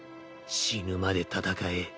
死ぬまで戦え。